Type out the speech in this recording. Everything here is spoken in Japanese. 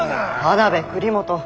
田辺栗本